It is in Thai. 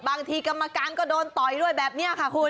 กรรมการก็โดนต่อยด้วยแบบนี้ค่ะคุณ